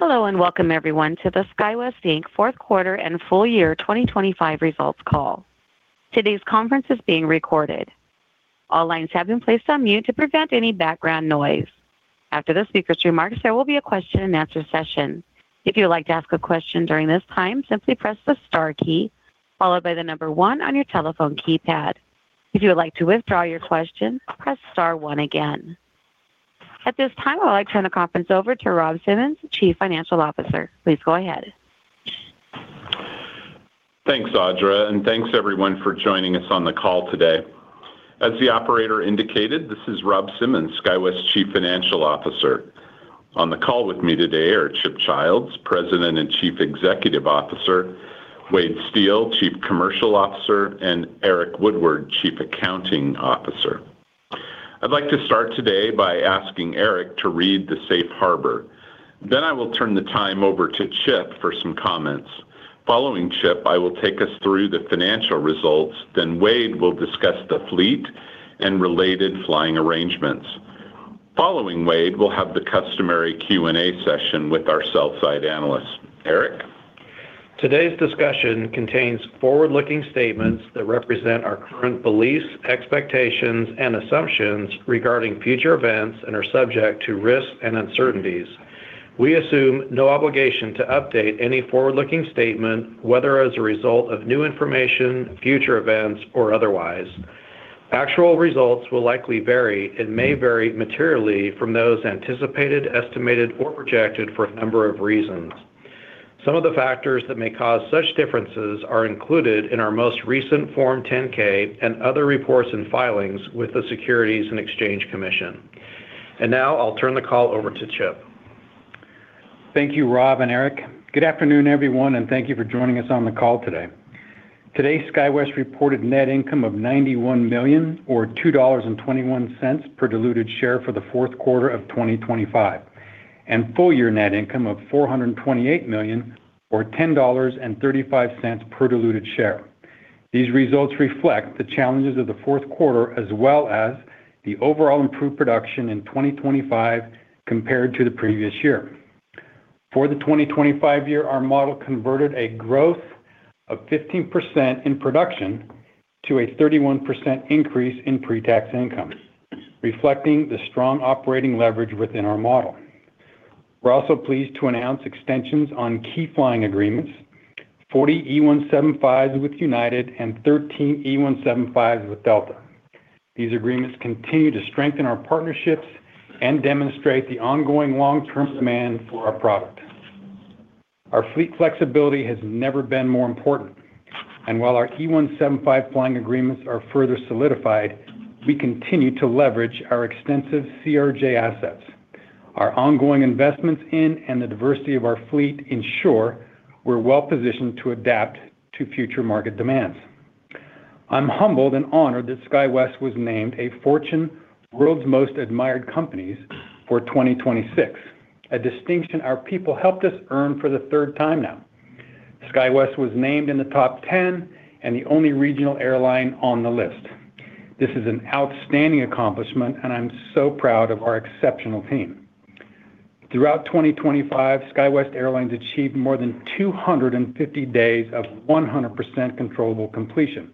Hello, and welcome everyone to the SkyWest Inc. fourth quarter and full year 2025 results call. Today's conference is being recorded. All lines have been placed on mute to prevent any background noise. After the speaker's remarks, there will be a question and answer session. If you would like to ask a question during this time, simply press the star key, followed by the number one on your telephone keypad. If you would like to withdraw your question, press star one again. At this time, I'd like to turn the conference over to Rob Simmons, Chief Financial Officer. Please go ahead. Thanks, Audra, and thanks everyone for joining us on the call today. As the operator indicated, this is Rob Simmons, SkyWest Chief Financial Officer. On the call with me today are Chip Childs, President and Chief Executive Officer, Wade Steel, Chief Commercial Officer, and Eric Woodward, Chief Accounting Officer. I'd like to start today by asking Eric to read the Safe Harbor. Then I will turn the time over to Chip for some comments. Following Chip, I will take us through the financial results, then Wade will discuss the fleet and related flying arrangements. Following Wade, we'll have the customary Q&A session with our sell-side analysts. Eric? Today's discussion contains forward-looking statements that represent our current beliefs, expectations, and assumptions regarding future events and are subject to risks and uncertainties. We assume no obligation to update any forward-looking statement, whether as a result of new information, future events, or otherwise. Actual results will likely vary and may vary materially from those anticipated, estimated, or projected for a number of reasons. Some of the factors that may cause such differences are included in our most recent Form 10-K and other reports and filings with the Securities and Exchange Commission. Now I'll turn the call over to Chip. Thank you, Rob and Eric. Good afternoon, everyone, and thank you for joining us on the call today. Today, SkyWest reported net income of $91 million, or $2.21 per diluted share for the fourth quarter of 2025, and full year net income of $428 million, or $10.35 per diluted share. These results reflect the challenges of the fourth quarter, as well as the overall improved production in 2025 compared to the previous year. For the 2025 year, our model converted a growth of 15% in production to a 31% increase in pre-tax income, reflecting the strong operating leverage within our model. We're also pleased to announce extensions on key flying agreements, 40 E175s with United and 13 E175s with Delta. These agreements continue to strengthen our partnerships and demonstrate the ongoing long-term demand for our product. Our fleet flexibility has never been more important, and while our E175s flying agreements are further solidified, we continue to leverage our extensive CRJ assets. Our ongoing investments in and the diversity of our fleet ensure we're well-positioned to adapt to future market demands. I'm humbled and honored that SkyWest was named a Fortune World's Most Admired Companies for 2026, a distinction our people helped us earn for the third time now. SkyWest was named in the top 10 and the only regional airline on the list. This is an outstanding accomplishment, and I'm so proud of our exceptional team. Throughout 2025, SkyWest Airlines achieved more than 250 days of 100% controllable completion,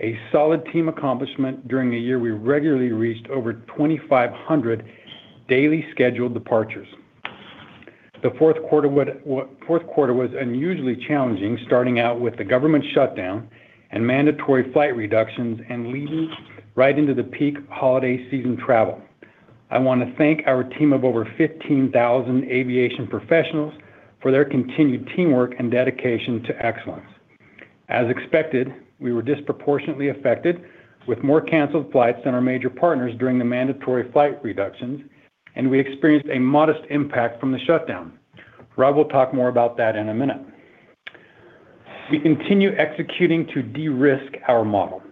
a solid team accomplishment during a year we regularly reached over 2,500 daily scheduled departures. The fourth quarter was unusually challenging, starting out with the government shutdown and mandatory flight reductions and leading right into the peak holiday season travel. I want to thank our team of over 15,000 aviation professionals for their continued teamwork and dedication to excellence. As expected, we were disproportionately affected, with more canceled flights than our major partners during the mandatory flight reductions, and we experienced a modest impact from the shutdown. Rob will talk more about that in a minute. We continue executing to de-risk our model.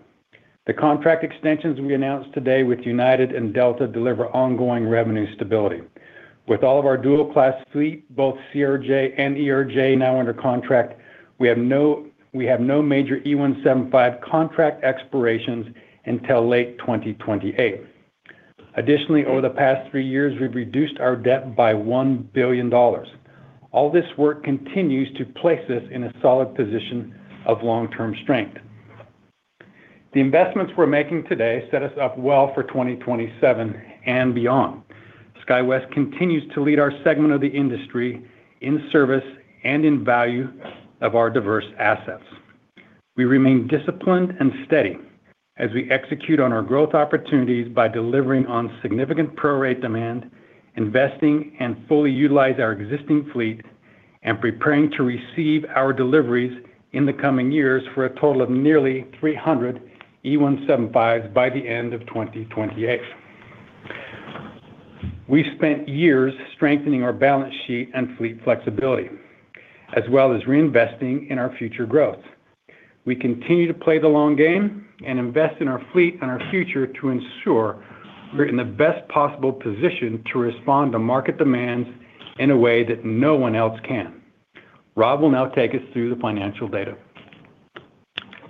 The contract extensions we announced today with United and Delta deliver ongoing revenue stability. With all of our dual-class fleet, both CRJ and ERJ, now under contract, we have no major E175 contract expirations until late 2028. Additionally, over the past 3 years, we've reduced our debt by $1 billion. All this work continues to place us in a solid position of long-term strength. The investments we're making today set us up well for 2027 and beyond. SkyWest continues to lead our segment of the industry in service and in value of our diverse assets. We remain disciplined and steady as we execute on our growth opportunities by delivering on significant prorate demand, investing, and fully utilize our existing fleet, and preparing to receive our deliveries in the coming years for a total of nearly 300 E175s by the end of 2028. We spent years strengthening our balance sheet and fleet flexibility, as well as reinvesting in our future growth. We continue to play the long game and invest in our fleet and our future to ensure we're in the best possible position to respond to market demands in a way that no one else can. Rob will now take us through the financial data.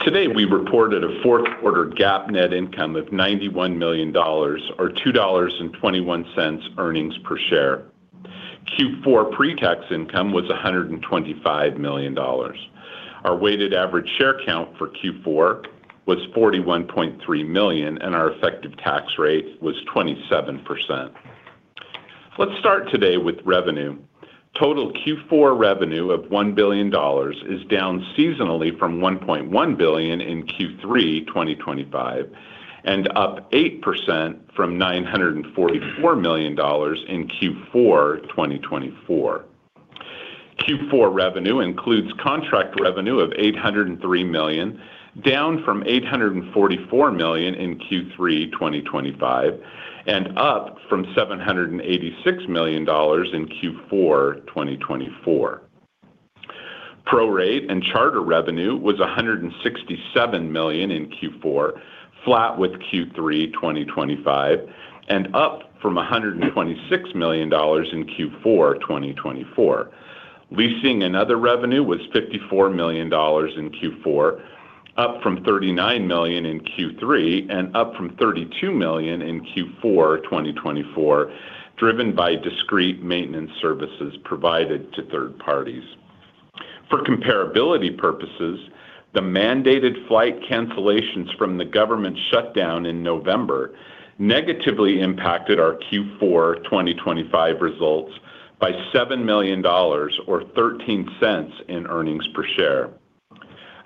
Today, we reported a fourth quarter GAAP net income of $91 million, or $2.21 earnings per share. Q4 pre-tax income was $125 million. Our weighted average share count for Q4 was 41.3 million, and our effective tax rate was 27%. Let's start today with revenue. Total Q4 revenue of $1 billion is down seasonally from $1.1 billion in Q3 2025, and up 8% from $944 million in Q4 2024. Q4 revenue includes contract revenue of $803 million, down from $844 million in Q3 2025, and up from $786 million in Q4 2024. Prorate and charter revenue was $167 million in Q4, flat with Q3 2025, and up from $126 million in Q4 2024. Leasing and other revenue was $54 million in Q4, up from $39 million in Q3, and up from $32 million in Q4 2024, driven by discrete maintenance services provided to third parties. For comparability purposes, the mandated flight cancellations from the government shutdown in November negatively impacted our Q4 2025 results by $7 million or $0.13 in earnings per share.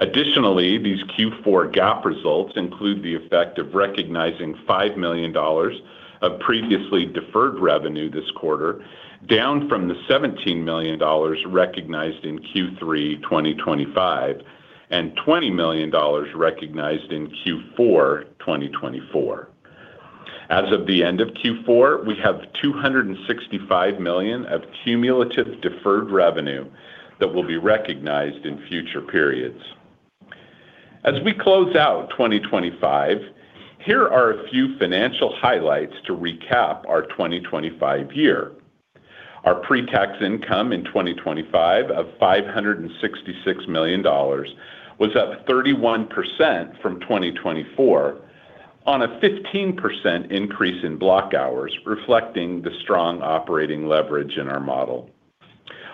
Additionally, these Q4 GAAP results include the effect of recognizing $5 million of previously deferred revenue this quarter, down from the $17 million recognized in Q3 2025, and $20 million recognized in Q4 2024. As of the end of Q4, we have $265 million of cumulative deferred revenue that will be recognized in future periods. As we close out 2025, here are a few financial highlights to recap our 2025 year. Our pre-tax income in 2025 of $566 million was up 31% from 2024 on a 15% increase in block hours, reflecting the strong operating leverage in our model.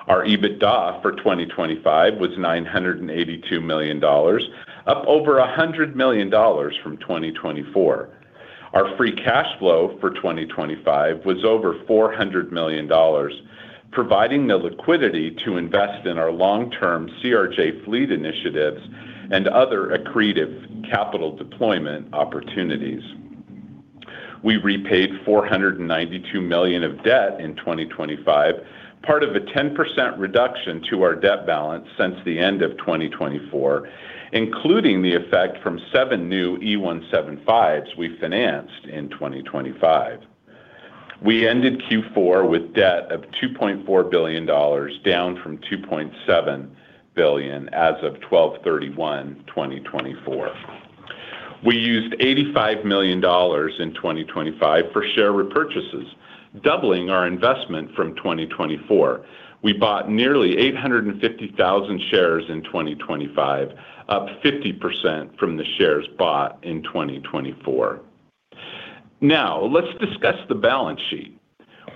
Our EBITDA for 2025 was $982 million, up over $100 million from 2024. Our free cash flow for 2025 was over $400 million, providing the liquidity to invest in our long-term CRJ fleet initiatives and other accretive capital deployment opportunities. We repaid $492 million of debt in 2025, part of a 10% reduction to our debt balance since the end of 2024, including the effect from 7 new E175s we financed in 2025. We ended Q4 with debt of $2.4 billion, down from $2.7 billion as of 12/31/2024. We used $85 million in 2025 for share repurchases, doubling our investment from 2024. We bought nearly 850,000 shares in 2025, up 50% from the shares bought in 2024. Now, let's discuss the balance sheet.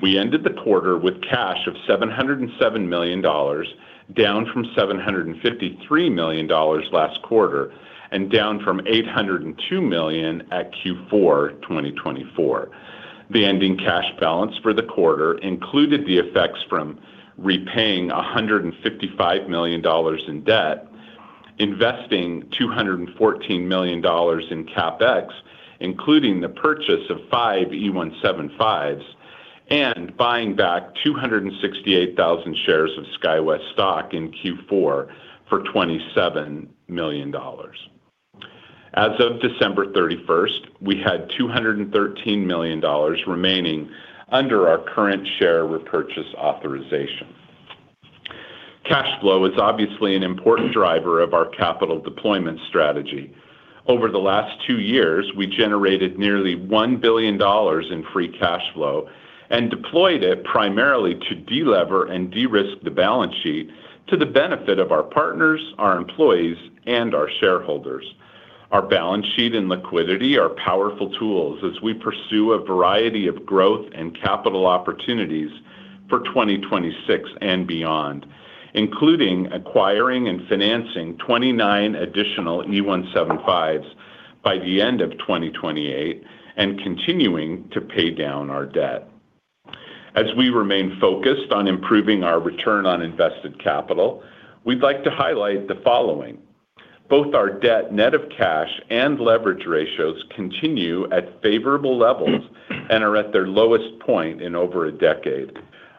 We ended the quarter with cash of $707 million, down from $753 million last quarter, and down from $802 million at Q4 2024. The ending cash balance for the quarter included the effects from repaying $155 million in debt, investing $214 million in CapEx, including the purchase of 5 E175s, and buying back 268,000 shares of SkyWest stock in Q4 for $27 million. As of December 31st, we had $213 million remaining under our current share repurchase authorization. Cash flow is obviously an important driver of our capital deployment strategy. Over the last two years, we generated nearly $1 billion in free cash flow and deployed it primarily to delever and de-risk the balance sheet to the benefit of our partners, our employees, and our shareholders. Our balance sheet and liquidity are powerful tools as we pursue a variety of growth and capital opportunities for 2026 and beyond, including acquiring and financing 29 additional E175s by the end of 2028 and continuing to pay down our debt. As we remain focused on improving our return on invested capital, we'd like to highlight the following. Both our debt net of cash and leverage ratios continue at favorable levels and are at their lowest point in over a decade.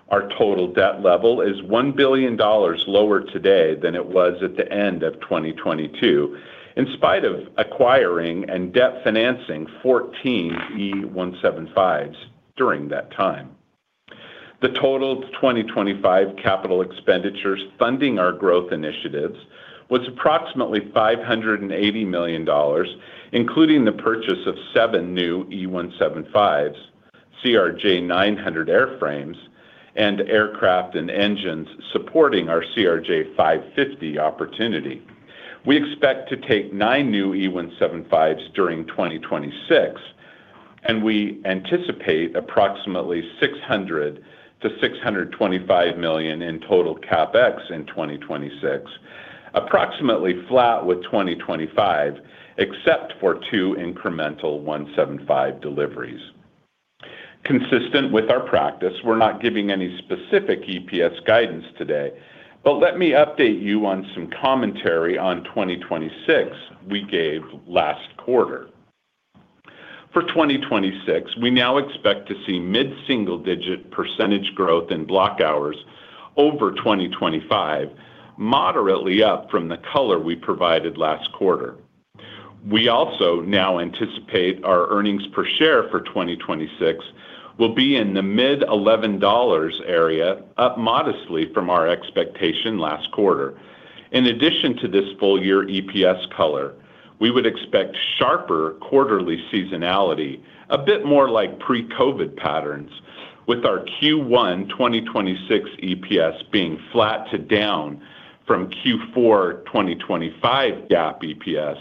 Our total debt level is $1 billion lower today than it was at the end of 2022, in spite of acquiring and debt financing 14 E175s during that time. The total 2025 capital expenditures funding our growth initiatives was approximately $580 million, including the purchase of seven new E175s. CRJ900 airframes and aircraft and engines supporting our CRJ550 opportunity. We expect to take 9 new E175s during 2026, and we anticipate approximately $600 million-$625 million in total CapEx in 2026, approximately flat with 2025, except for 2 incremental E175 deliveries. Consistent with our practice, we're not giving any specific EPS guidance today, but let me update you on some commentary on 2026 we gave last quarter. For 2026, we now expect to see mid-single-digit percentage growth in block hours over 2025, moderately up from the color we provided last quarter. We also now anticipate our earnings per share for 2026 will be in the mid-$11 area, up modestly from our expectation last quarter. In addition to this full year EPS color, we would expect sharper quarterly seasonality, a bit more like pre-COVID patterns, with our Q1 2026 EPS being flat to down from Q4 2025 GAAP EPS,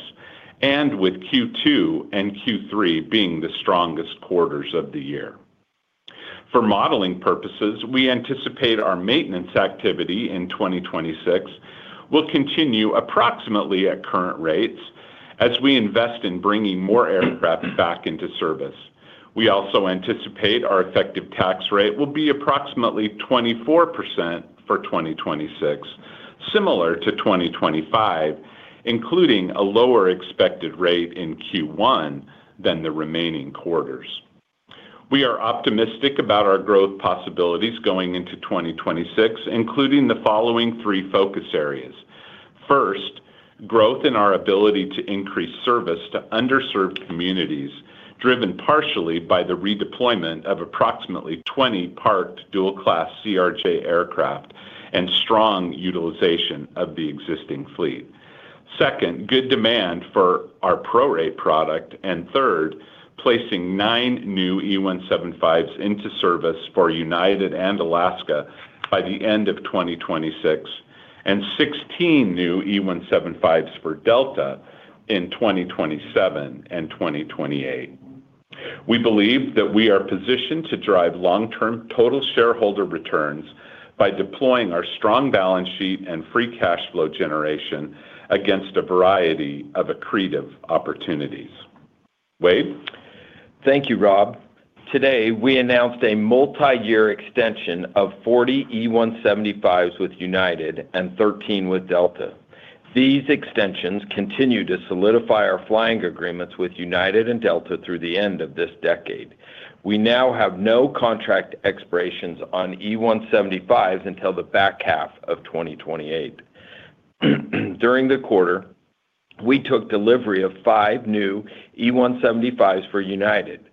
and with Q2 and Q3 being the strongest quarters of the year. For modeling purposes, we anticipate our maintenance activity in 2026 will continue approximately at current rates as we invest in bringing more aircraft back into service. We also anticipate our effective tax rate will be approximately 24% for 2026, similar to 2025, including a lower expected rate in Q1 than the remaining quarters. We are optimistic about our growth possibilities going into 2026, including the following three focus areas. First, growth in our ability to increase service to underserved communities, driven partially by the redeployment of approximately 20 parked dual-class CRJ aircraft and strong utilization of the existing fleet. Second, good demand for our prorate product, and third, placing 9 new E175s into service for United and Alaska by the end of 2026, and 16 new E175s for Delta in 2027 and 2028. We believe that we are positioned to drive long-term total shareholder returns by deploying our strong balance sheet and free cash flow generation against a variety of accretive opportunities. Wade? Thank you, Rob. Today, we announced a multiyear extension of 40 E175s with United and 13 with Delta. These extensions continue to solidify our flying agreements with United and Delta through the end of this decade. We now have no contract expirations on E175s until the back half of 2028. During the quarter, we took delivery of 5 new E175s for United.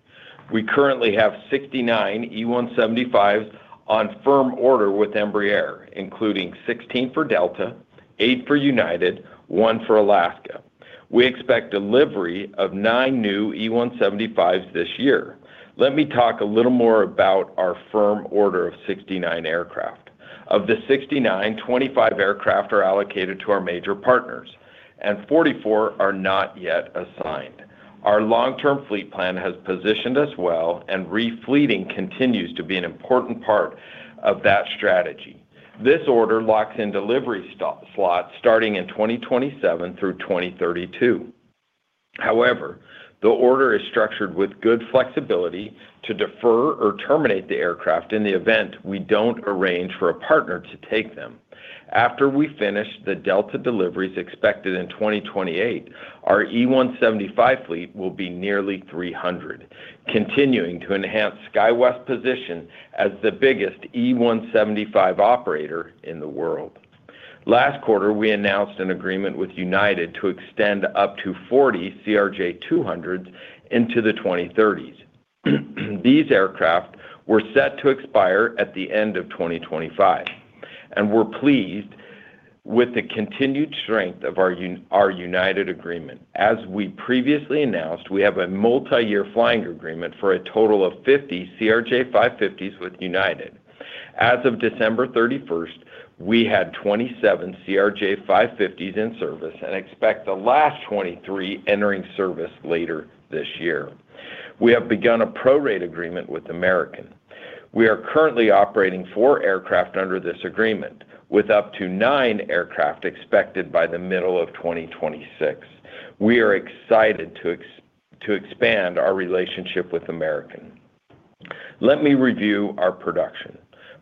We currently have 69 E175s on firm order with Embraer, including 16 for Delta, 8 for United, 1 for Alaska. We expect delivery of 9 new E175s this year. Let me talk a little more about our firm order of 69 aircraft. Of the 69, 25 aircraft are allocated to our major partners, and 44 are not yet assigned. Our long-term fleet plan has positioned us well, and re-fleeting continues to be an important part of that strategy. This order locks in delivery slots starting in 2027 through 2032. However, the order is structured with good flexibility to defer or terminate the aircraft in the event we don't arrange for a partner to take them. After we finish the Delta deliveries expected in 2028, our E175 fleet will be nearly 300, continuing to enhance SkyWest's position as the biggest E175 operator in the world. Last quarter, we announced an agreement with United to extend up to 40 CRJ200s into the 2030s. These aircraft were set to expire at the end of 2025, and we're pleased with the continued strength of our United agreement. As we previously announced, we have a multi-year flying agreement for a total of 50 CRJ550s with United. As of December 31st, we had 27 CRJ550s in service and expect the last 23 entering service later this year. We have begun a prorate agreement with American. We are currently operating 4 aircraft under this agreement, with up to 9 aircraft expected by the middle of 2026. We are excited to expand our relationship with American. Let me review our production.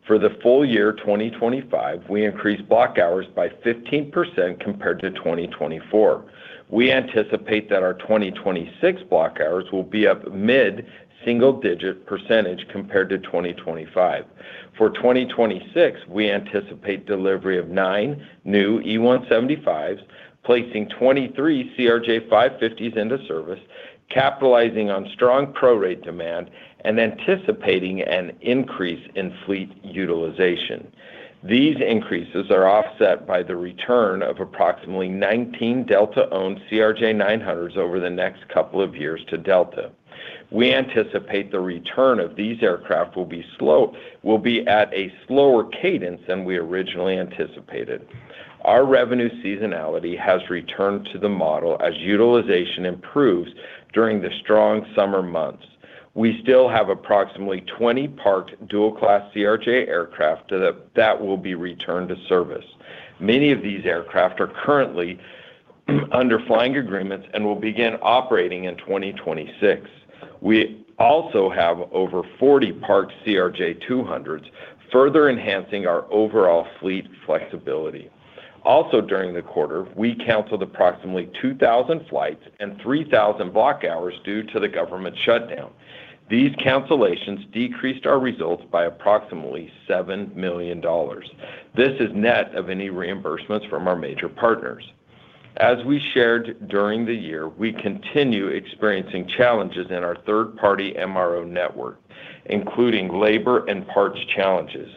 For the full year 2025, we increased block hours by 15% compared to 2024. We anticipate that our 2026 block hours will be up mid-single-digit percentage compared to 2025. For 2026, we anticipate delivery of 9 new E175s, placing 23 CRJ550s into service, capitalizing on strong prorate demand, and anticipating an increase in fleet utilization. These increases are offset by the return of approximately 19 Delta-owned CRJ900s over the next couple of years to Delta. We anticipate the return of these aircraft will be slow, will be at a slower cadence than we originally anticipated. Our revenue seasonality has returned to the model as utilization improves during the strong summer months. We still have approximately 20 parked dual-class CRJ aircraft that will be returned to service. Many of these aircraft are currently under flying agreements and will begin operating in 2026. We also have over 40 parked CRJ200s, further enhancing our overall fleet flexibility. Also, during the quarter, we canceled approximately 2,000 flights and 3,000 block hours due to the government shutdown. These cancellations decreased our results by approximately $7 million. This is net of any reimbursements from our major partners. As we shared during the year, we continue experiencing challenges in our third-party MRO network, including labor and parts challenges.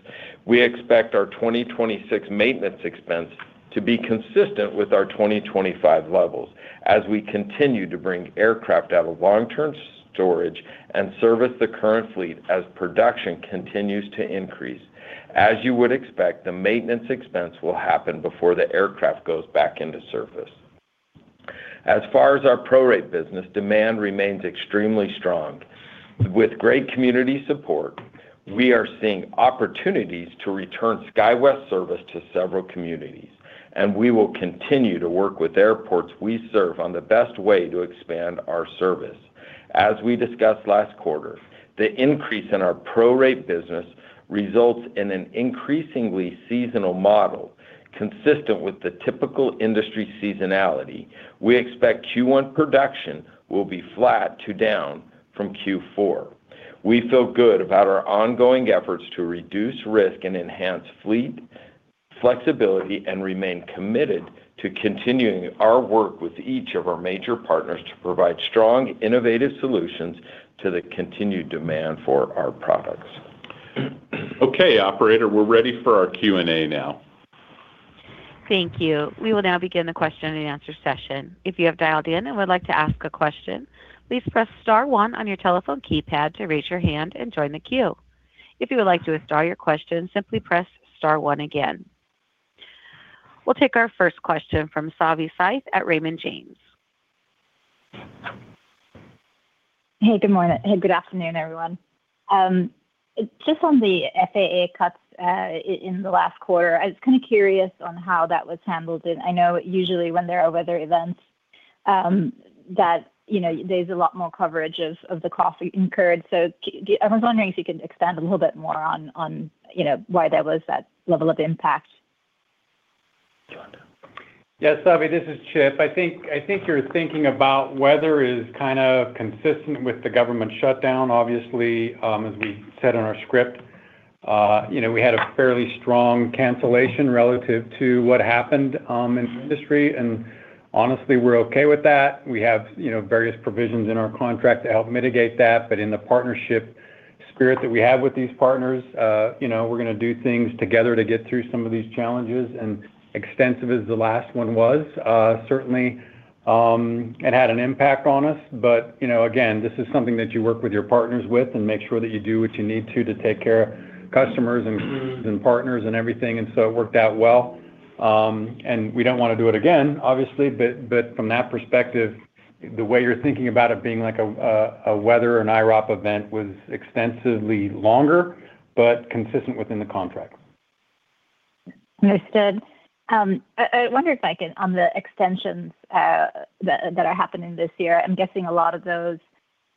We expect our 2026 maintenance expense to be consistent with our 2025 levels as we continue to bring aircraft out of long-term storage and service the current fleet as production continues to increase. As you would expect, the maintenance expense will happen before the aircraft goes back into service. As far as our prorate business, demand remains extremely strong. With great community support, we are seeing opportunities to return SkyWest service to several communities, and we will continue to work with airports we serve on the best way to expand our service. As we discussed last quarter, the increase in our prorate business results in an increasingly seasonal model, consistent with the typical industry seasonality. We expect Q1 production will be flat to down from Q4. We feel good about our ongoing efforts to reduce risk and enhance fleet flexibility, and remain committed to continuing our work with each of our major partners to provide strong, innovative solutions to the continued demand for our products. Okay, operator, we're ready for our Q&A now. Thank you. We will now begin the question and answer session. If you have dialed in and would like to ask a question, please press star one on your telephone keypad to raise your hand and join the queue. If you would like to withdraw your question, simply press star one again. We'll take our first question from Savanthi Syth at Raymond James. Hey, good morning. Hey, good afternoon, everyone. Just on the FAA cuts, in the last quarter, I was kind of curious on how that was handled. And I know usually when there are weather events, that, you know, there's a lot more coverage of, of the costs incurred. So I was wondering if you could expand a little bit more on, on, you know, why there was that level of impact? Yes, Savi, this is Chip. I think, I think you're thinking about weather is kind of consistent with the government shutdown. Obviously, as we said in our script, you know, we had a fairly strong cancellation relative to what happened in the industry, and honestly, we're okay with that. We have, you know, various provisions in our contract to help mitigate that, but in the partnership spirit that we have with these partners, you know, we're gonna do things together to get through some of these challenges. And extensive as the last one was, certainly, it had an impact on us. But, you know, again, this is something that you work with your partners with and make sure that you do what you need to, to take care of customers and partners and everything. And so it worked out well. And we don't want to do it again, obviously, but from that perspective, the way you're thinking about it being like a weather, an IROP event was extensively longer, but consistent within the contract. Understood. I wonder if I can, on the extensions that are happening this year, I'm guessing a lot of those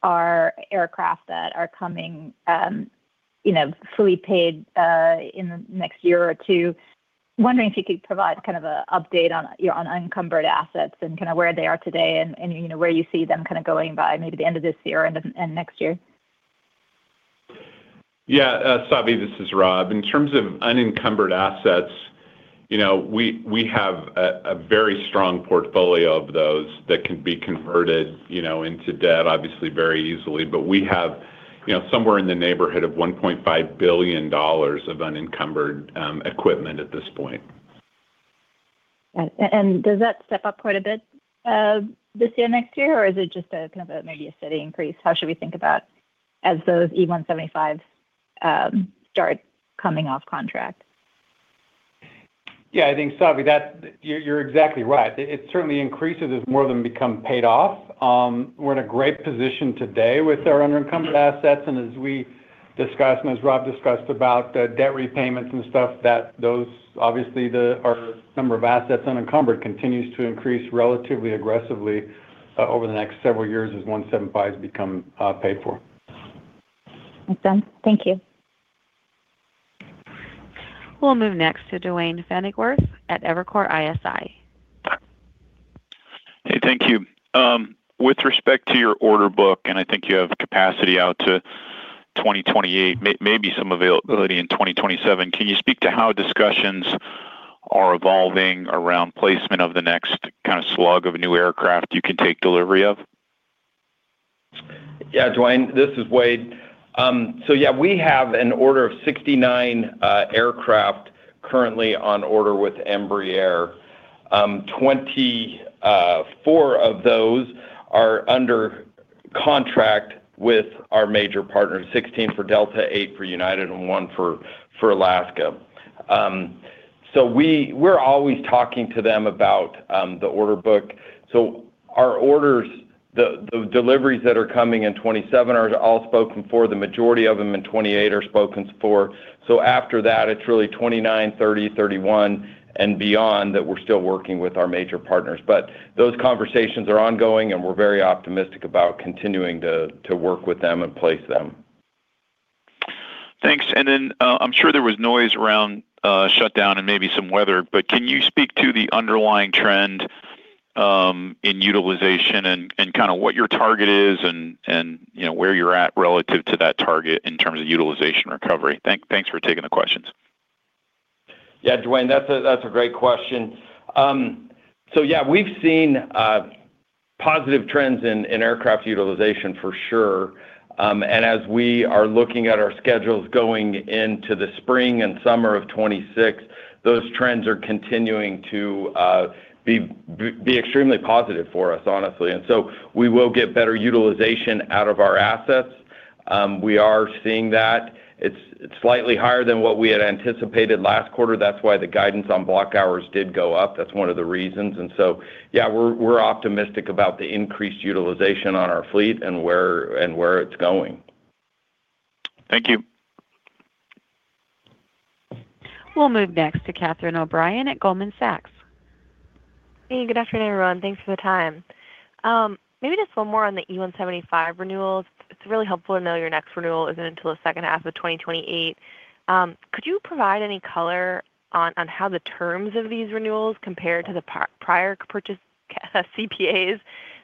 are aircraft that are coming, you know, fully paid in the next year or two. Wondering if you could provide kind of an update on your encumbered assets and kind of where they are today and, you know, where you see them kind of going by maybe the end of this year and next year. Yeah, Savi, this is Rob. In terms of unencumbered assets, you know, we have a very strong portfolio of those that can be converted, you know, into debt, obviously, very easily. But we have, you know, somewhere in the neighborhood of $1.5 billion of unencumbered equipment at this point. Does that step up quite a bit this year, next year, or is it just a kind of a maybe a steady increase? How should we think about as those E175 start coming off contract? Yeah, I think, Savi, that you're exactly right. It certainly increases as more of them become paid off. We're in a great position today with our unencumbered assets, and as we discussed, and as Rob discussed, about the debt repayments and stuff, that those obviously our number of assets unencumbered continues to increase relatively aggressively over the next several years as E175s become paid for. Thanks, then. Thank you. We'll move next to Duane Pfennigwerth at Evercore ISI. Hey, thank you. With respect to your order book, and I think you have capacity out to 2028, maybe some availability in 2027, can you speak to how discussions are evolving around placement of the next kind of slug of new aircraft you can take delivery of? Yeah, Duane, this is Wade. So yeah, we have an order of 69 aircraft currently on order with Embraer. Twenty-four of those are under contract with our major partners, 16 for Delta, 8 for United, and 1 for Alaska. So we're always talking to them about the order book. So our orders, the deliveries that are coming in 2027 are all spoken for. The majority of them in 2028 are spoken for. So after that, it's really 2029, 30, 31, and beyond that, we're still working with our major partners. But those conversations are ongoing, and we're very optimistic about continuing to work with them and place them. Thanks. And then, I'm sure there was noise around, shutdown and maybe some weather, but can you speak to the underlying trend, in utilization and, and kinda what your target is and, and, you know, where you're at relative to that target in terms of utilization recovery? Thanks for taking the questions. Yeah, Duane, that's a great question. So yeah, we've seen positive trends in aircraft utilization for sure. And as we are looking at our schedules going into the spring and summer of 2026, those trends are continuing to be extremely positive for us, honestly. And so we will get better utilization out of our assets. We are seeing that. It's slightly higher than what we had anticipated last quarter. That's why the guidance on block hours did go up. That's one of the reasons, and so, yeah, we're optimistic about the increased utilization on our fleet and where it's going. Thank you. We'll move next to Catherine O'Brien at Goldman Sachs. Hey, good afternoon, everyone. Thanks for the time. Maybe just one more on the E175 renewals. It's really helpful to know your next renewal isn't until the second half of 2028. Could you provide any color on how the terms of these renewals compare to the prior purchase CPAs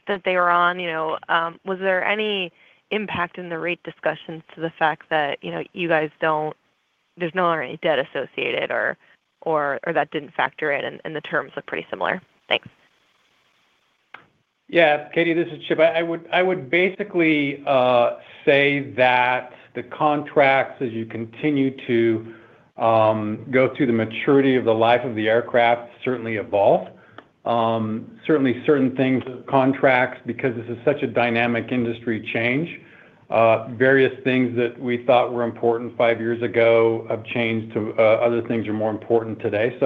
that they were on? You know, was there any impact in the rate discussions to the fact that, you know, you guys don't, there's no debt associated or that didn't factor in, and the terms look pretty similar? Thanks. Yeah, Katie, this is Chip. I would basically say that the contracts, as you continue to go through the maturity of the life of the aircraft, certainly evolve. Certainly certain things with contracts, because this is such a dynamic industry, change. Various things that we thought were important five years ago have changed to other things are more important today.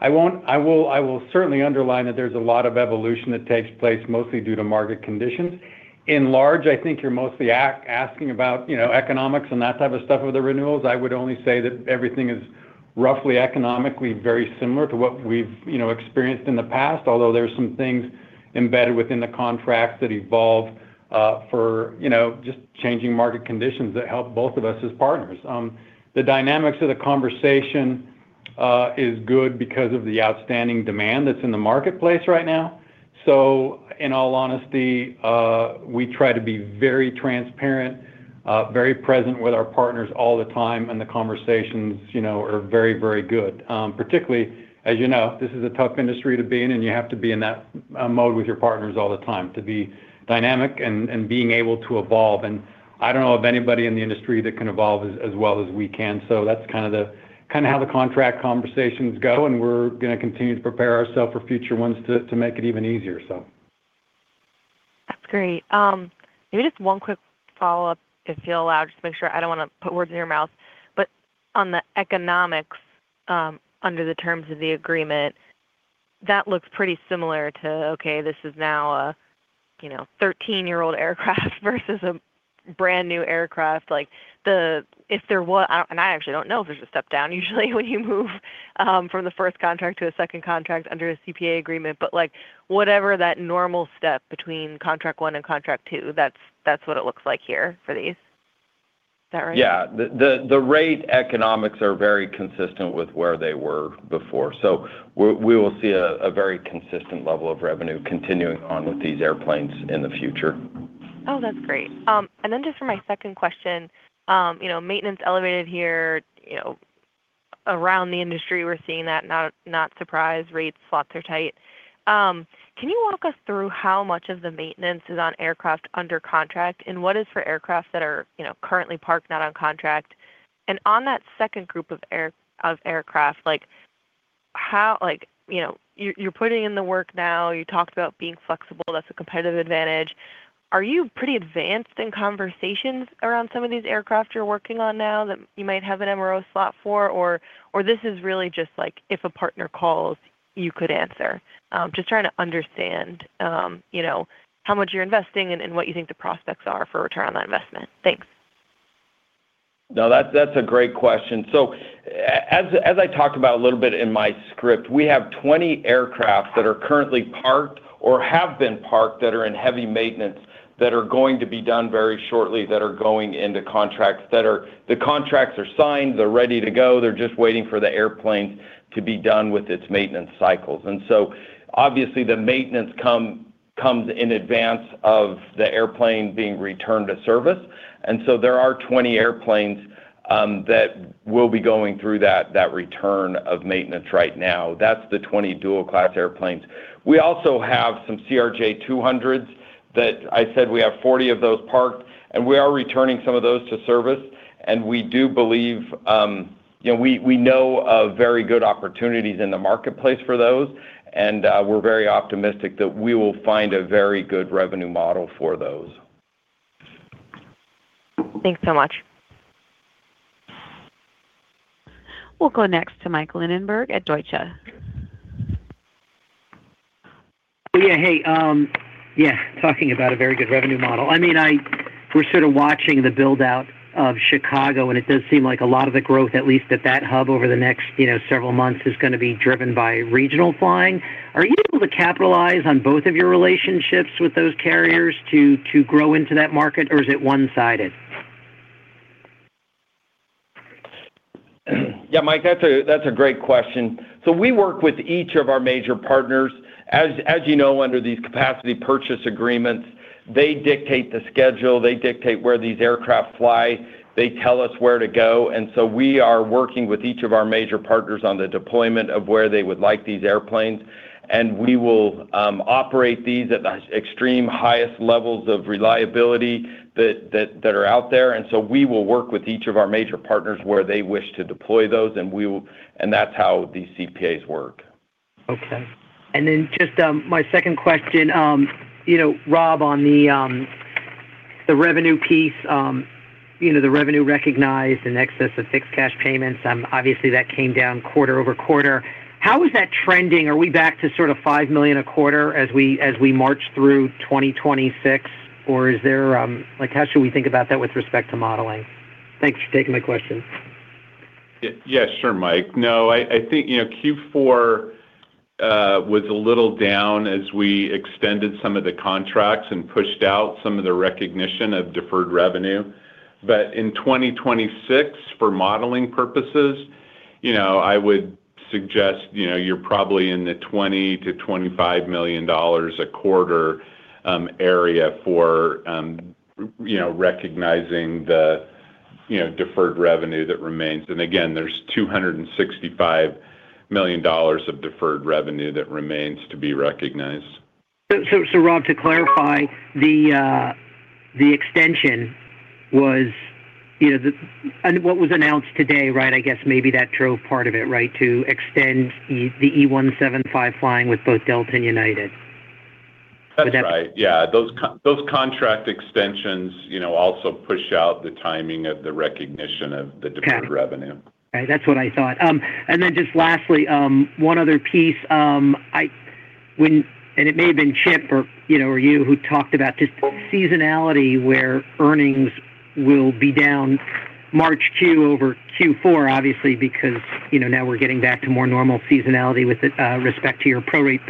So I will certainly underline that there's a lot of evolution that takes place mostly due to market conditions. In large, I think you're mostly asking about, you know, economics and that type of stuff with the renewals. I would only say that everything is roughly economically very similar to what we've, you know, experienced in the past, although there are some things embedded within the contracts that evolve for, you know, just changing market conditions that help both of us as partners. The dynamics of the conversation is good because of the outstanding demand that's in the marketplace right now. So in all honesty, we try to be very transparent, very present with our partners all the time, and the conversations, you know, are very, very good. Particularly, as you know, this is a tough industry to be in, and you have to be in that mode with your partners all the time to be dynamic and being able to evolve. And I don't know of anybody in the industry that can evolve as well as we can. So that's kind of the, kinda how the contract conversations go, and we're gonna continue to prepare ourselves for future ones to, to make it even easier, so. That's great. Maybe just one quick follow-up, if you'll allow, just to make sure, I don't wanna put words in your mouth, but on the economics, under the terms of the agreement, that looks pretty similar to, okay, this is now a, you know, 13-year-old aircraft versus a brand-new aircraft. Like, if there was. And I actually don't know if there's a step down usually when you move, from the first contract to a second contract under a CPA agreement, but, like, whatever that normal step between contract one and contract two, that's, that's what it looks like here for these. Is that right? Yeah. The rate economics are very consistent with where they were before, so we will see a very consistent level of revenue continuing on with these airplanes in the future. Oh, that's great. And then just for my second question, you know, maintenance elevated here, you know, around the industry, we're seeing that. Not surprised. Rates, slots are tight. Can you walk us through how much of the maintenance is on aircraft under contract and what is for aircraft that are, you know, currently parked, not on contract? And on that second group of aircraft, like, how, like, you know, you're putting in the work now, you talked about being flexible, that's a competitive advantage. Are you pretty advanced in conversations around some of these aircraft you're working on now that you might have an MRO slot for? Or this is really just, like, if a partner calls, you could answer. Just trying to understand, you know, how much you're investing and what you think the prospects are for return on that investment. Thanks. No, that's, that's a great question. So as, as I talked about a little bit in my script, we have 20 aircraft that are currently parked or have been parked, that are in heavy maintenance, that are going to be done very shortly, that are going into contracts, that are, the contracts are signed. They're ready to go. They're just waiting for the airplanes to be done with its maintenance cycles. And so, obviously, the maintenance comes in advance of the airplane being returned to service. And so there are 20 airplanes that we'll be going through that, that return of maintenance right now. That's the 20 dual-class airplanes. We also have some CRJ200s, that I said we have 40 of those parked, and we are returning some of those to service, and we do believe, you know, we know of very good opportunities in the marketplace for those, and we're very optimistic that we will find a very good revenue model for those. Thanks so much. We'll go next to Mike Linenberg at Deutsche. Yeah, hey, yeah, talking about a very good revenue model. I mean, we're sort of watching the build-out of Chicago, and it does seem like a lot of the growth, at least at that hub over the next, you know, several months, is gonna be driven by regional flying. Are you able to capitalize on both of your relationships with those carriers to grow into that market, or is it one-sided? Yeah, Mike, that's a, that's a great question. So we work with each of our major partners. As you know, under these capacity purchase agreements, they dictate the schedule, they dictate where these aircraft fly, they tell us where to go, and so we are working with each of our major partners on the deployment of where they would like these airplanes. And we will operate these at the extreme highest levels of reliability that are out there. And so we will work with each of our major partners where they wish to deploy those, and we will, and that's how these CPAs work. Okay. And then just, my second question, you know, Rob, on the revenue piece, you know, the revenue recognized in excess of fixed cash payments, obviously, that came down quarter-over-quarter. How is that trending? Are we back to sort of $5 million a quarter as we march through 2026? Or is there, like, how should we think about that with respect to modeling? Thanks for taking my question. Yeah, sure, Mike. No, I think, you know, Q4 was a little down as we extended some of the contracts and pushed out some of the recognition of deferred revenue. But in 2026, for modeling purposes, you know, I would suggest, you know, you're probably in the $20-$25 million a quarter area for you know recognizing the you know deferred revenue that remains. And again, there's $265 million of deferred revenue that remains to be recognized. So, Rob, to clarify, the extension was, you know, and what was announced today, right? I guess maybe that drove part of it, right? To extend the E175 flying with both Delta and United. That's right. Yeah, those contract extensions, you know, also push out the timing of the recognition of the- Got it. Deferred revenue. Right, that's what I thought. And then just lastly, one other piece, when and it may have been Chip or, you know, or you who talked about just seasonality, where earnings will be down March Q over Q4, obviously, because, you know, now we're getting back to more normal seasonality with respect to your prorate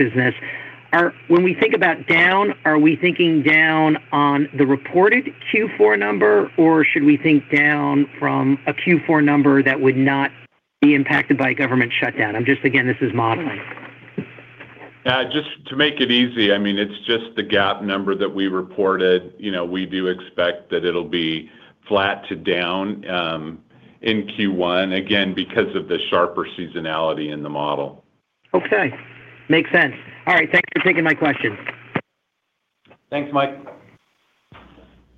business. When we think about down, are we thinking down on the reported Q4 number, or should we think down from a Q4 number that would not be impacted by government shutdown? I'm just, again, this is modeling. Just to make it easy, I mean, it's just the GAAP number that we reported. You know, we do expect that it'll be flat to down in Q1, again, because of the sharper seasonality in the model. Okay. Makes sense. All right, thanks for taking my question. Thanks, Mike.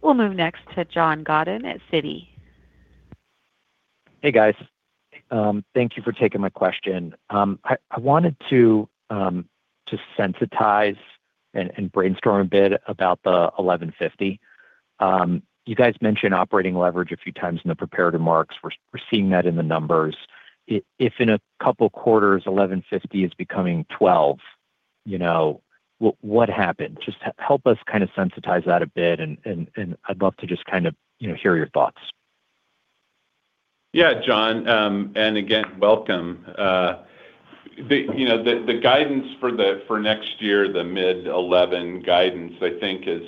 We'll move next to John Godyn at Citi. Hey, guys. Thank you for taking my question. I wanted to sensitize and brainstorm a bit about the 1,150. You guys mentioned operating leverage a few times in the prepared remarks. We're seeing that in the numbers. If in a couple quarters, 1,150 is becoming 12, you know, what happened? Just help us kind of sensitize that a bit, and I'd love to just kind of, you know, hear your thoughts. Yeah, John, and again, welcome. The guidance for next year, the mid-11 guidance, I think is,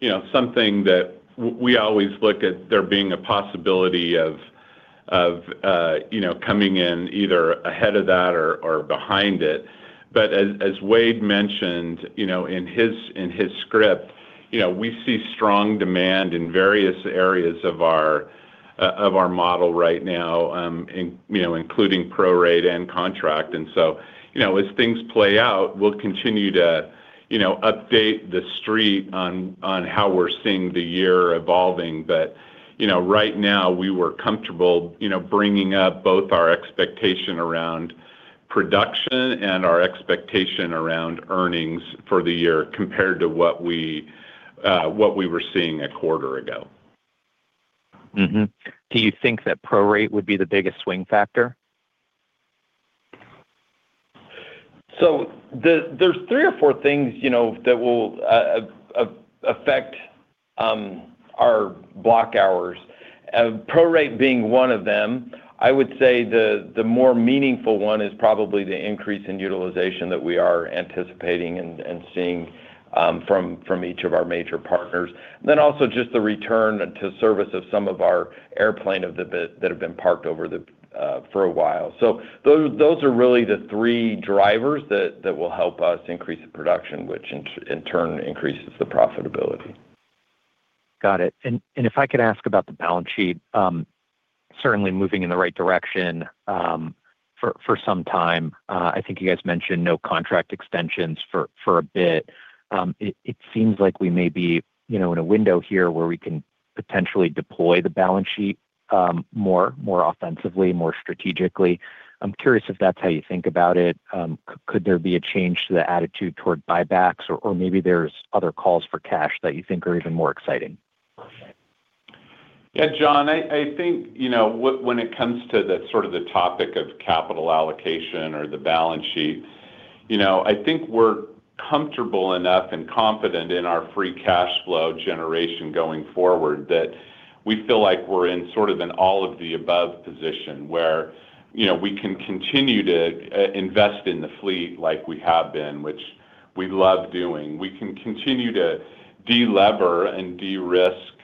you know, something that we always look at there being a possibility of, you know, coming in either ahead of that or behind it. But as Wade mentioned, you know, in his script, you know, we see strong demand in various areas of our model right now, in, you know, including prorate and contract. And so, you know, as things play out, we'll continue to, you know, update the street on how we're seeing the year evolving. But, you know, right now, we were comfortable, you know, bringing up both our expectation around production and our expectation around earnings for the year compared to what we were seeing a quarter ago. Mm-hmm. Do you think that prorate would be the biggest swing factor? So there's three or four things, you know, that will affect our block hours, prorate being one of them. I would say the more meaningful one is probably the increase in utilization that we are anticipating and seeing from each of our major partners. Then also just the return to service of some of our airplanes that have been parked over the for a while. So those are really the three drivers that will help us increase the production, which in turn increases the profitability. Got it. And if I could ask about the balance sheet, certainly moving in the right direction, for some time. I think you guys mentioned no contract extensions for a bit. It seems like we may be, you know, in a window here where we can potentially deploy the balance sheet, more offensively, more strategically. I'm curious if that's how you think about it. Could there be a change to the attitude toward buybacks, or maybe there's other calls for cash that you think are even more exciting? Yeah, John, I think, you know, when it comes to the sort of the topic of capital allocation or the balance sheet, you know, I think we're comfortable enough and confident in our free cash flow generation going forward, that we feel like we're in sort of an all of the above position, where, you know, we can continue to invest in the fleet like we have been, which we love doing. We can continue to delever and de-risk,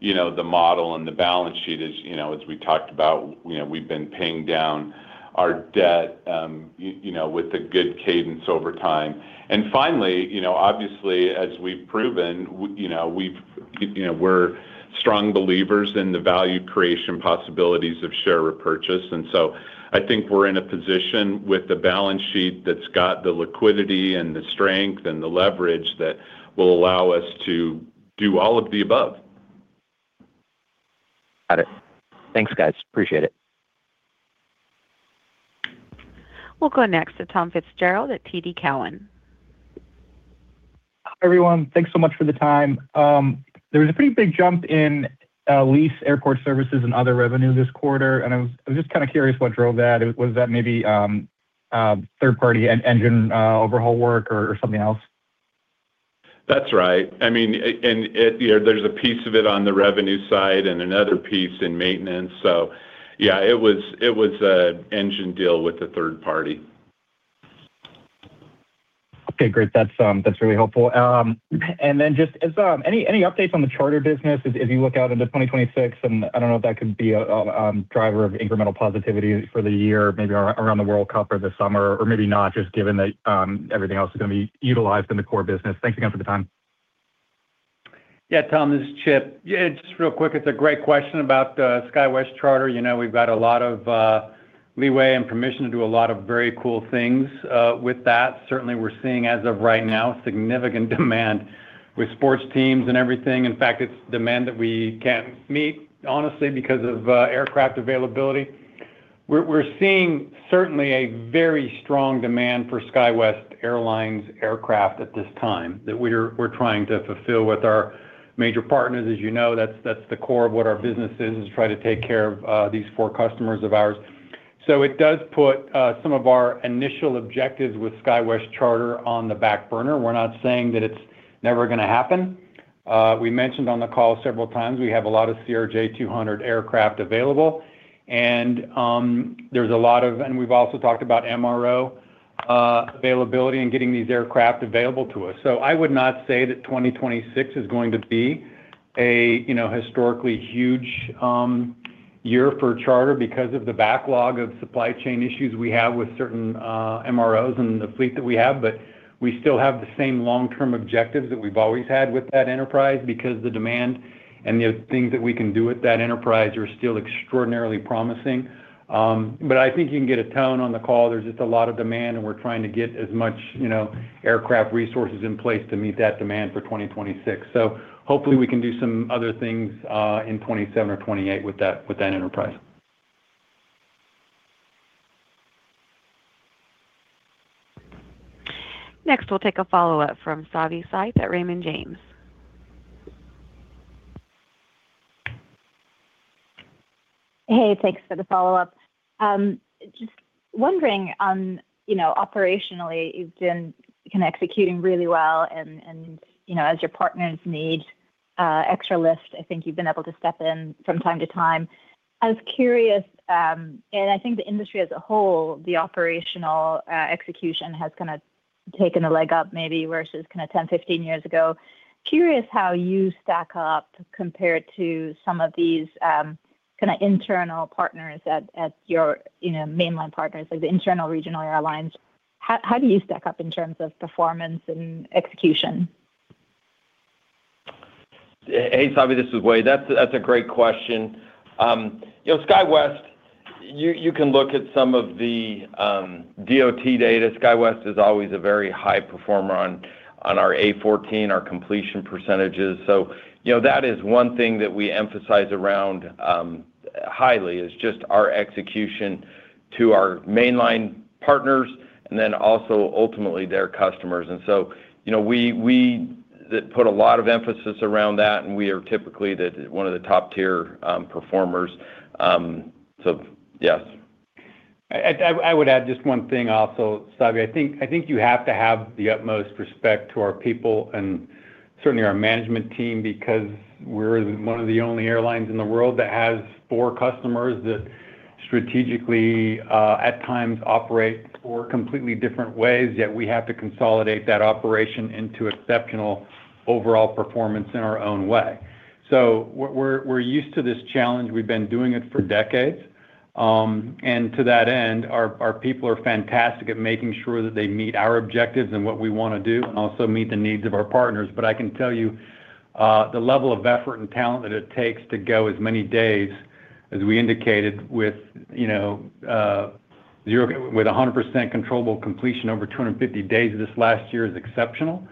you know, the model and the balance sheet as, you know, as we talked about. You know, we've been paying down our debt, you know, with a good cadence over time. And finally, you know, obviously, as we've proven, you know, we're strong believers in the value creation possibilities of share repurchase. And so I think we're in a position with the balance sheet that's got the liquidity and the strength and the leverage that will allow us to do all of the above. Got it. Thanks, guys. Appreciate it. We'll go next to Tom Fitzgerald at TD Cowen. Hi, everyone. Thanks so much for the time. There was a pretty big jump in lease airport services and other revenue this quarter, and I was just kind of curious what drove that. Was that maybe third-party engine overhaul work or something else? That's right. I mean, there's a piece of it on the revenue side and another piece in maintenance. So yeah, it was an engine deal with a third party. Okay, great. That's really helpful. And then just any updates on the charter business as you look out into 2026? And I don't know if that could be a driver of incremental positivity for the year, maybe around the World Cup or the summer, or maybe not, just given that everything else is going to be utilized in the core business. Thanks again for the time. Yeah, Tom, this is Chip. Yeah, just real quick, it's a great question about SkyWest Charter. You know, we've got a lot of leeway and permission to do a lot of very cool things with that. Certainly, we're seeing, as of right now, significant demand with sports teams and everything. In fact, it's demand that we can't meet, honestly, because of aircraft availability. We're seeing certainly a very strong demand for SkyWest Airlines aircraft at this time, that we're trying to fulfill with our major partners. As you know, that's the core of what our business is, is try to take care of these four customers of ours. So it does put some of our initial objectives with SkyWest Charter on the back burner. We're not saying that it's never going to happen. We mentioned on the call several times, we have a lot of CRJ200 aircraft available, and we've also talked about MRO availability and getting these aircraft available to us. So I would not say that 2026 is going to be a, you know, historically huge year for charter because of the backlog of supply chain issues we have with certain MROs and the fleet that we have. But we still have the same long-term objectives that we've always had with that enterprise, because the demand and the things that we can do with that enterprise are still extraordinarily promising. But I think you can get a tone on the call. There's just a lot of demand, and we're trying to get as much, you know, aircraft resources in place to meet that demand for 2026. Hopefully, we can do some other things in 2027 or 2028 with that, with that enterprise. Next, we'll take a follow-up from Savanthi Syth at Raymond James. Hey, thanks for the follow-up. Just wondering, you know, operationally, you've been kind of executing really well and, and, you know, as your partners need extra lift, I think you've been able to step in from time to time. I was curious, and I think the industry as a whole, the operational execution has kind of taken a leg up, maybe versus kind of 10, 15 years ago. Curious how you stack up compared to some of these kind of internal partners at, at your, you know, mainline partners, like the internal regional airlines. How, how do you stack up in terms of performance and execution? Hey, Savi, this is Wade. That's, that's a great question. You know, SkyWest, you, you can look at some of the, DOT data. SkyWest is always a very high performer on, on our A14, our completion percentages. So, you know, that is one thing that we emphasize around, highly, is just our execution to our mainline partners and then also ultimately their customers. And so, you know, we, we put a lot of emphasis around that, and we are typically the one of the top-tier, performers. So yes. I would add just one thing also, Savi. I think you have to have the utmost respect to our people and certainly our management team, because we're one of the only airlines in the world that has four customers that strategically, at times, operate four completely different ways, yet we have to consolidate that operation into exceptional overall performance in our own way. So we're used to this challenge. We've been doing it for decades. And to that end, our, our people are fantastic at making sure that they meet our objectives and what we wanna do, and also meet the needs of our partners. But I can tell you, the level of effort and talent that it takes to go as many days as we indicated with, you know, with 100% controllable completion over 250 days this last year is exceptional.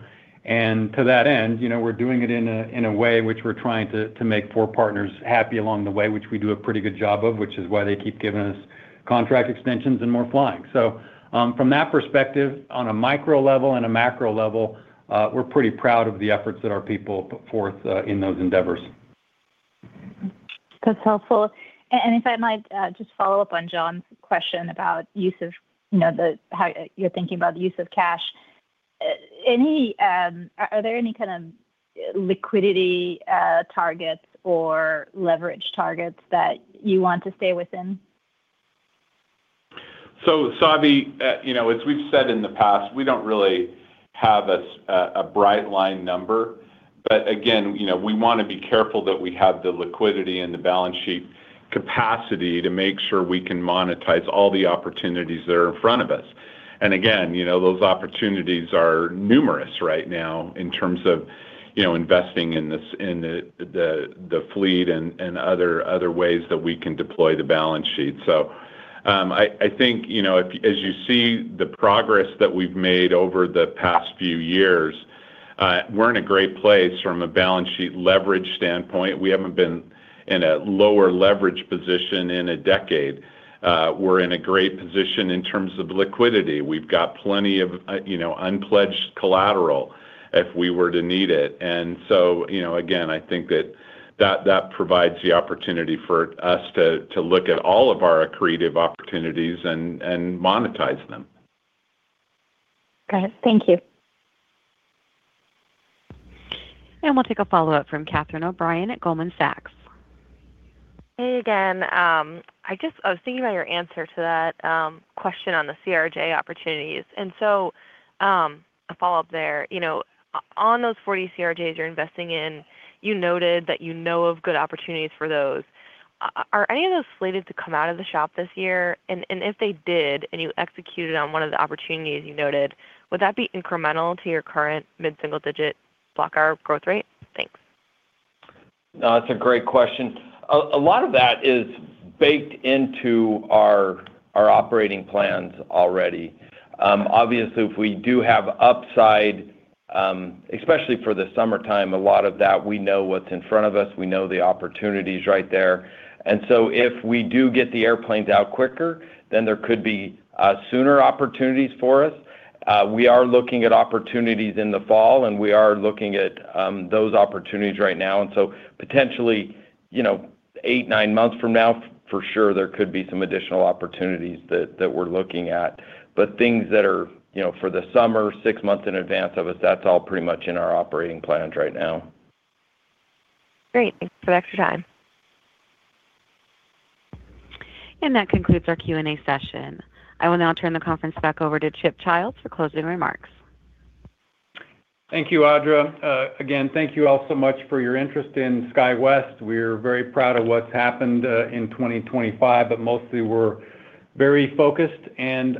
And to that end, you know, we're doing it in a, in a way which we're trying to, to make four partners happy along the way, which we do a pretty good job of, which is why they keep giving us contract extensions and more flying. From that perspective, on a micro level and a macro level, we're pretty proud of the efforts that our people put forth in those endeavors. That's helpful. And if I might just follow up on John's question about use of, you know, how you're thinking about the use of cash. Any... Are there any kind of liquidity targets or leverage targets that you want to stay within? So, Savi, you know, as we've said in the past, we don't really have a bright line number, but again, you know, we wanna be careful that we have the liquidity and the balance sheet capacity to make sure we can monetize all the opportunities that are in front of us. And again, you know, those opportunities are numerous right now in terms of investing in this, in the fleet and other ways that we can deploy the balance sheet. So, I think, you know, as you see the progress that we've made over the past few years, we're in a great place from a balance sheet leverage standpoint. We haven't been in a lower leverage position in a decade. We're in a great position in terms of liquidity. We've got plenty of, you know, unpledged collateral if we were to need it. So, you know, again, I think that provides the opportunity for us to look at all of our accretive opportunities and monetize them. Got it. Thank you. We'll take a follow-up from Catherine O'Brien at Goldman Sachs. Hey, again. I just... I was thinking about your answer to that question on the CRJ opportunities, and so, a follow-up there. You know, on those 40 CRJs you're investing in, you noted that you know of good opportunities for those. Are any of those slated to come out of the shop this year? And if they did, and you executed on one of the opportunities you noted, would that be incremental to your current mid-single digit block hour growth rate? Thanks. No, that's a great question. A lot of that is baked into our operating plans already. Obviously, if we do have upside, especially for the summertime, a lot of that we know what's in front of us, we know the opportunities right there. And so if we do get the airplanes out quicker, then there could be sooner opportunities for us. We are looking at opportunities in the fall, and we are looking at those opportunities right now. And so potentially, you know, eight, nine months from now, for sure, there could be some additional opportunities that we're looking at. But things that are, you know, for the summer, six months in advance of us, that's all pretty much in our operating plans right now. Great. Thanks for the extra time. That concludes our Q&A session. I will now turn the conference back over to Chip Childs for closing remarks. Thank you, Audra. Again, thank you all so much for your interest in SkyWest. We're very proud of what's happened in 2025, but mostly we're very focused and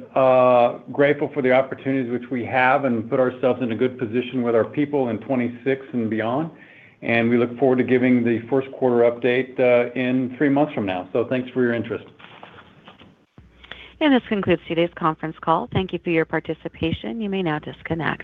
grateful for the opportunities which we have and put ourselves in a good position with our people in 2026 and beyond. We look forward to giving the first quarter update in 3 months from now. Thanks for your interest This concludes today's conference call. Thank you for your participation. You may now disconnect.